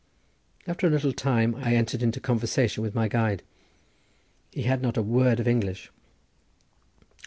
After a little time I entered into conversation with my guide. He had not a word of English.